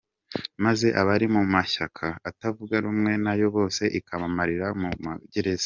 maze abari mu mashyaka atavugarumwe nayo bose ikabamarira mu magereza.